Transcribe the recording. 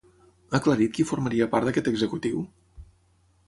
Ha aclarit qui formaria part d'aquest executiu?